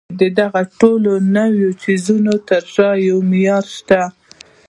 د دغو ټولو نويو څيزونو تر شا يو معيار شته.